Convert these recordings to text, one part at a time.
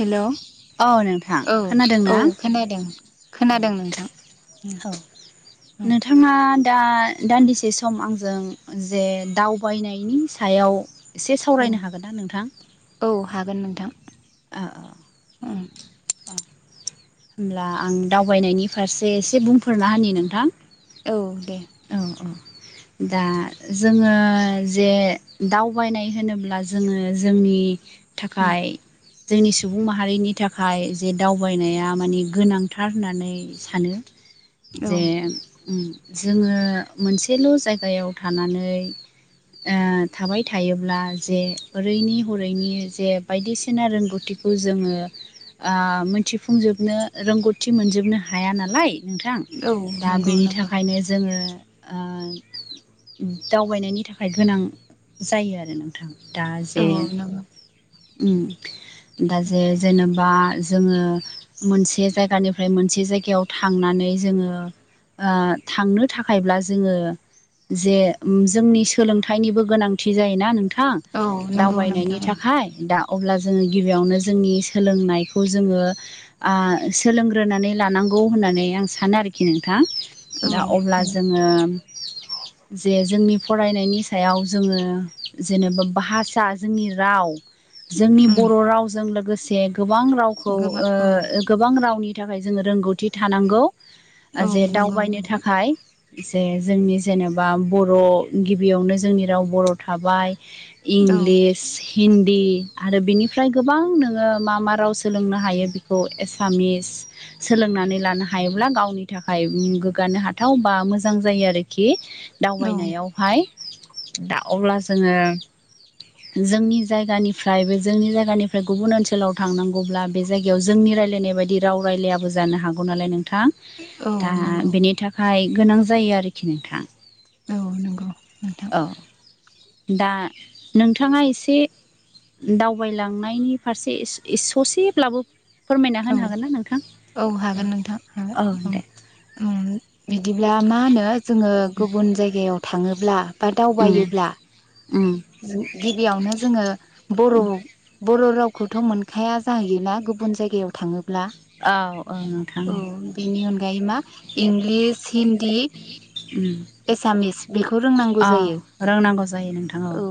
Hello औ नोंथां औ खोनादों औ ना? खोनादों औ खोनादों नोंथां उम औ नोंथाङा दा दान्दिसे सम आंजों जे दावबायनायनि सायाव एसे उम सावरायनो हागोन ना नोंथां? औ हागोन नोंथां। औ औ उम अ होमब्ला आं दावबायनायनि फारसे एसे बुंफोरना हानि नोंथां। औ दे औ औ दा जोङो जे दावबायनाय होनोब्ला जोङो जोंनि, उम थाखाय। जोंनि सुबुं माहारिनि थाखाय जे दावबायनाया माने गोनांथार होननानै। सानो औ जे उम जोङो मोनसेल' जायगायाव थानानै। ओ थाबाय थायोब्ला जे ओरैनि हरैनि जे बायदिसिना रोंगौथि। खौ जोङो मिथिफुंजोबनो रोंगौथि मोनजोबनो हाया नालाय, नोंथां औ दा नंगौ बेनि नंगौ थाखायनो जोङो ओ दावबायनायनि थाखाय गोनां जायो आरो नोंथां। दा जे औ नंगौ उम दा जे जेनेबा जोङो मोनसे जायगानिफ्राय मोनसे जायगायाव थांनानै जोङो ओ थांनो थाखायब्ला जोङो। जे जोंनि सोलोंथाइनिबो गोनांथि जायोना नोंथां, औ नंगौ दावबायनायनि नोंथां थाखाय दा। अब्ला जोङो गिबियावनो जोंनि सोलोंनायखौ जोङो। आ सोलोंग्रोनानै लानांगौ होननानै आं सानो आरोखि नोंथां, औ दा अब्ला औ जोङो जे जोंनि फरायनायनि सायाव जोङो जेनेबा भाषा जोंनि राव जोंनि उम बर' रावजों लोगोसे गोबां रावखौ गोबां औ ओ गोबां रावनि थाखाय जोङो रोंगौथि थानांगौ औ जे नंगौ दावबायनो नोंथां थाखाय जे जोंनि जेनेबा बर' गिबियावनो जोंनि राव बर' थाबाय औ इंलिस हिन्दी आरो बिनिफ्राय गोबां नोङो मा मा राव सोलोंनो हायो बेखौ एसामिस सोलोंनानै लानो हायोब्ला गावनि थाखाय गो गानो हाथाव बा मोजां जायो आरोखि औ दावबायनायाव। हायो दा अब्ला जोङो जोंनि जायगानिफ्राय बे जोंनि जायगानिफ्राय गुबुन ओनसोलाव थांनांगौब्ला बे जायगायाव जोंनि रायलायनाय बायदि राव रायलायाबो जानो हागौ नालाय नोंथां औ दा नंगौ बेनि थाखाय गोनां जायो आरोखि नोंथाङा औ नंगौ नोंथां औ दा नोंथाङा एसे दावबायलांनायनि फारसे ससेब्लाबो फोरमायना औ होनो हागोन ना नोंथां औ हागोन नोंथां हागोन औ दे बिदिब्ला मा होनो जोङो गुबुन जायगायाव थाङोब्ला बा उम दावबायोब्ला उम गिबियावनो जोङो बर' बर' रावखौथ' मोनखाया जाहैयोना गुबुन जायगायाव थाङो ब्ला औ औ नोंथां औ बेनि अनगायै मा इंलिस हिन्दी उम एसामिस बेखौ रोंनांगौ औ जायो रोंनांगौ जायो नोंथां औ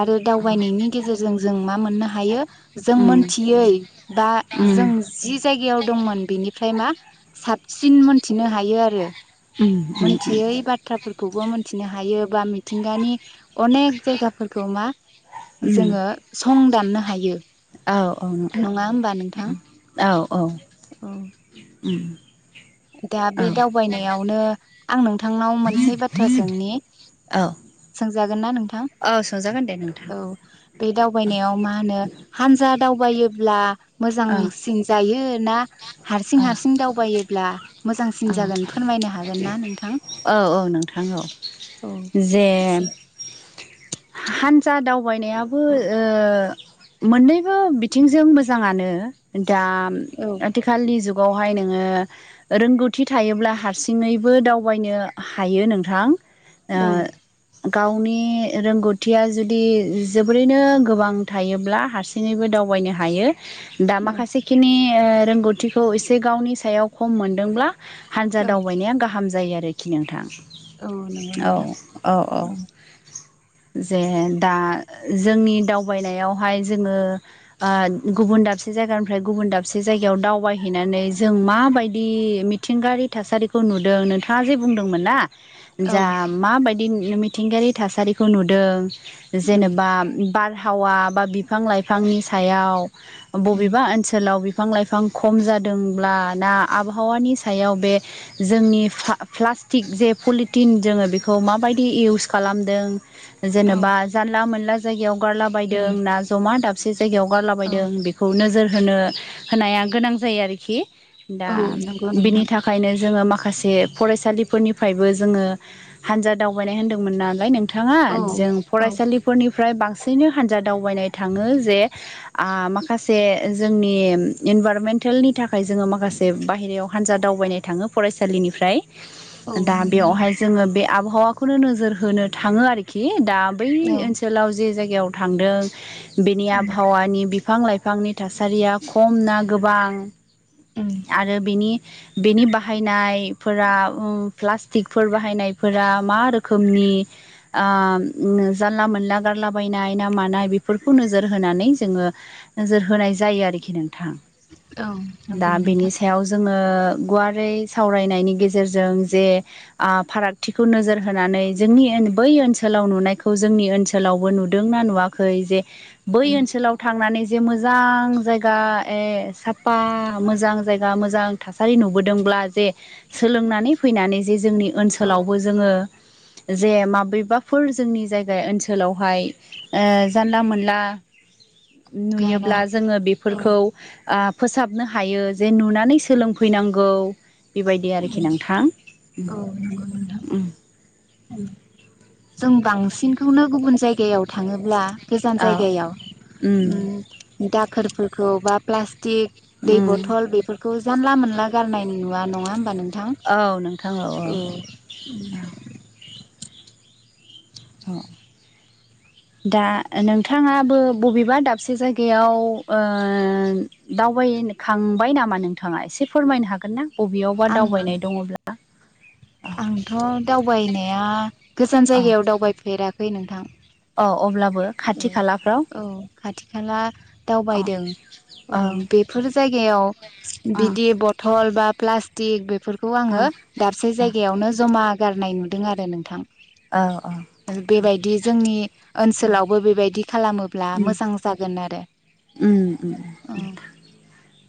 आरो औ दावबायनायनि गेजेरजों जों मा मोननो हायो जों उम मोनथियै बा उम उम जों जि जायगायाव दंमोन बेनिफ्राय मा साबसिन मोनथिनो हायो आरो उम उम मोनथियै बाथ्राफोरखौबो मिथिनो हायो बा मिथिंगानि अनेक जायगाफोरखौ मा जोङो सं दाननो हायो औ औ नोंथां नङा होमबा नोंथां? औ औ औ [inaudible] दा औ बे दावबायनायावनो आं नोंथा थांनाव मोनसे बाथ्रा सोंनि औ सोंजागोन ना नोंथां? हागोन दे नोंथां औ बे दावबायनायाव मा होनो हानजा दावबायोब्ला औ मोजांसिन जायो ना हारसिं औ हारसिं दावबायोब्ला मोजांसिन जागोन फोरमायनो हागोन ना नोंथां औ औ नोंथां औ औ जि जे एसे हान्जा दावबायनायाबो ओ मोननैबो बिथिंजों मोजाङानो दा औ आथिखालनि जुगावहाय नोङो रोंगौ थि थायोब्ला हारसिङैबो दावबायनो हायो नोंथां औ ओ गावनि रोंगौथिया जुदि जोबोरैनो गोबां थायोब्ला हारसिं [unintelligible] दावबायनो हायो। दा औ माखासेखिनि रोंगौथिखौ एसे गावनि सायाव खम मोनदोंब्ला हानजा औ दावबायनाया गाहाम जायो आरोखि नोंथां औ औ नंगौ नोंथां औ औ उम उम जे दा जोंनि दावबायनायावहाय जोङो ओ गुबुन दाबसे जायगानिफ्राय गुबुन दाबसे जायगायाव दावबायहैनानै जों माबायदि मि थिंगायारि थासारिखौ नुदों नोंथाङा जे बुंदोंमोनना औ जा माबायदि मिथिंगायारि थासारिखौ नुदों उम जेनेबा बार हावा बा बिफां लाइफांनि सायाव बबेबा ओनसोलाव बि बिफां लाइफां खम जादोंबब्ला ना आबहावानि सायाव बे जोंनि प्लास्टिक जे पलिटिन जोङो बेखौ माबायदि इउस खालामदों जेनेबा जानला मोनला जायगायाव गारला बदों ना जमा दाबसे जायगायाव गारला बदों औ बे खौ नोजोर होनो होनाया गोनां जायो आरोखि दा औ नंगौ बिनि नोंथां थाखायनो जोङो माखासे फरायसालिफोरनिफ्रायबो जोङो हानजा दावबायनाय होनदोंमोन नालाय नोंथाङा औ जों औ फरायसालि फोरनिफ्राय बांसिनै हान्जा दावबायनाय थाङो जे माखासे जोंनि इनभाररमेन्टेलनि थाखाय जोङो माखासे बाहेरायाव हानजा दावबायनाय थाङो फरायसालिनिफ्राय औ दा नंगौ बेयावहाय जोङो बे आबहावाखौनो नोजोर होनो थाङो आरोखि दा बै औ ओनसोलाव जे जायगायाव थांदों बेनि उम आबहावानि बिफां लाइफांनि थासारिया खम ना गोबां उम आरो बिनि बेनि बाहायनायफोरा प्लास्टिकफोर बाहायनायफोरा मा रोखोमनि जानला मोनला गारलाबायनाय ना मानाय बेफोरखौ नोजोर होनानै जोङो नोजोर होनाय जायो आरोखि नोंथां औ दा नंगौ बेनि नोंथां सायाव जोङो गुवारै सावरायनायनि गेजेरजों जे फारागथिखौ नोजोर होनानै जोंनि बै ओनसोलाव नुनायखौ जोंनि ओनसोल ओनसोलावबो नुदोंनाा नुवाखै जे बै ओनसोलाव थांनानै जे मोजां जायगा ए साफा मोजां जायगा मोजां थासारि नुबोदोंब्ला जे सोलोंनानै फैनानै जे जोंनि औ ओनसोलावबो जोङो जे माबेबाफोर जोंनि जायगा ओनसोलावहाय जानला मोनला [inaudible] गारा नुयोब्ला जोङो औ बेफोरखौ फोसाबनो हायो जे नुनानै सोलों फैनांगौ बेबायदि आरोखि नोंथां औ नंगौ नोंथां जों बांसिनखौनो गुबुन जायगायाव थाङोब्ला गोजान औ जायगायाव उम दाखोरफोरखौ बा प्लास्टिक दै उम बथल बेफोरखौ खौ जानला मोनला गारनाय नुवा नङा होमबा नोंथां औ द' दा नोंथाङाबो बबेबा दाबसे जायगायाव दावबायखांबाय नामा नोंथाङा एसे फोरमायनो हागोन ना बबेयावबा आं दावबायनाय दङब्ला आंथ' दावबायनाया गोजान जायगायाव दावबायफेराखै नोंथां अ अब्लाबो खाथि औ खालाफ्राव औ खाथि खाला औ दावबायदों औ बेफोर जायगायाव बिदि टल बा प्लास्टिक बेफोरखौ औ आङो दाबसे जायो जायगायावनो जमा गारनाय नुदों आरो नोंथां औ औ बेबायदि जोंनि ओनसोलावबो बेबायदि खालामोब्ला उम मोजां जागोन आरो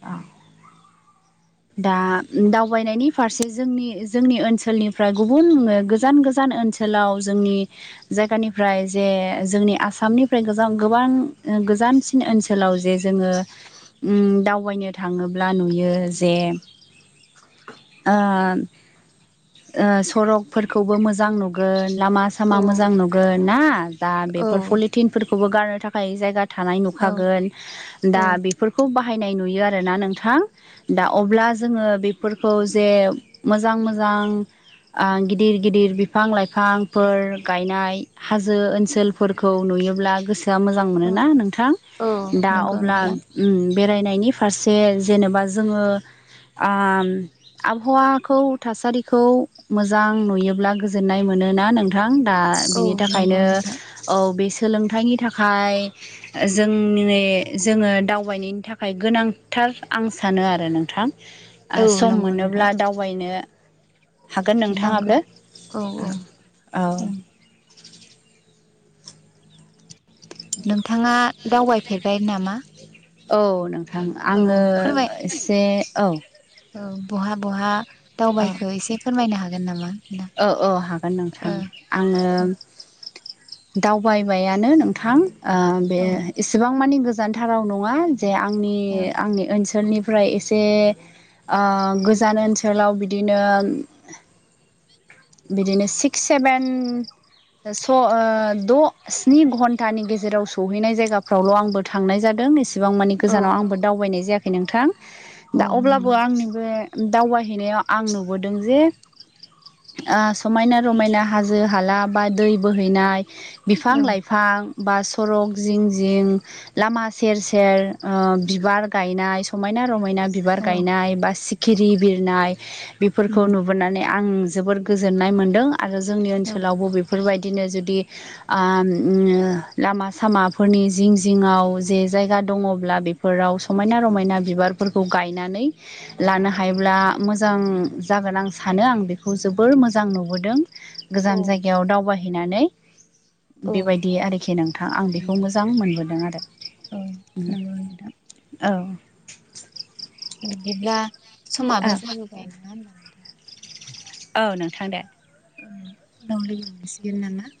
औ दा दावबायनायनि फारसे जोंनि जोंनि ओनसोलनिफ्राय गुबुन गोजान गोजान ओनसोल ओनखोलाव जोंनि जायगानिफ्राय जे जोंनि आसामनिफ्राय गोबां गोजानसि बिन ओनसोलाव जे जोङो दावबायनो थाङोब्ला नुयो जे सरकफोरखौबो मोजां नुगोन लामा औ सामा मोजां नुगोन ना दा औ बेफोर पलिटिनफोरखौबो गारनो थाखाय जायगा थानाय नुखागोन दा औ बेफोरखौ बाहायनाय नुयो आरोना नोंथां। दा अब्ला जोङो बेफोरखौ जे मोजां मोजां गिदिर गिदिर बिफां लाइफांफोर गायनाय हाजो ओनसोल फोरखौ नुयोब्ला गोसोआ मोजां औ मोनोना नोंथां औ दा नंगौ अब्ला नोंथां बेरायनायनि फारसे जेनेबा जोङो आबहावाखौ थासारिखौ मोजां नुयोब्ला गोजोननाय मोनोना नोंथां दा औ बिनि नंगौ थाखायनो नोंथां औ बे सोलोंथाइनि थाखाय जों जोङो दावबायनायनि थाखाय गोनांथार आं सानो आरो नोंथां औ सम नंगौ नोंथां मोनोब्ला दावबायनो हागोन नांगौ नोंथाङाबो औ औ औ नोंथाङा दावबायफेरबाय नामा औ नोंथां औ आङो फोरमाय एसे औ औ बहा बहा औ दावबायखो एसे फोरमायनो हागोन नामा नोंथां? औ औ हागोन नोंथां आङो दावबायबायानो नोंथां बे ओ औ एसेबां मानि गो गोजानथाराव नङा जे आंनि औ आंनि ओनसोलनिफ्राय एसे ओ गोजान ओनसोलाव बिदिनो बिदिनो सिक्स सेभेन स द' स्नि घन्टानि गेजेराव सौहैनाय जायगाफ्रावल' आंबो थांनाय जादों ए एसिबां मानि औ गोजानाव आंबो दावबायनाय जायाखै नोंथां औ दा नंगौ अब्लाबो आंनि बे दावबायहैनायाव आं नुबोदों जे समायना रमायना हाजो हाला बा दै बोहैनाय बिफां औ लाइफां बिफां बा सरक जिं जिं लामा सेर सेर बिबार गायनाय समायना रमायना बिबार औ गायनाय बा सिखिरि बिरनाय बेफोरखौ उम नुबोनानै आं जोबोर गोजोननाय मोनदों आरो जोंनि औ ओनसोलावबो बेफोरबायदिनो जुदि लामा सामाफोरनि जिं जिङआव जे जायगा दङब्ला बेफोर फोराव समायना रमायना बिबारफोरखौ गायनानै लानो हायोब्ला मोजां जागोन आं सानो आं बेखौ बे खौ जोबोर मोजां नुबोदों औ गोजान जायगायाव दावबायहैनानै औ बेबायदि आरोखि नोंथां आं उम बेखौ मोजां मोनबोदों आरो औ नंगौ नोंथां औ बिदिब्ला औ समाबो जाबोबाय नङा होमबानो औ नोंथां दे उनाव लोगो मोनसिगोन नामा